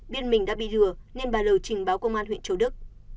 biên mình đã bị lừa nên bà l trình báo công an huyện châu đức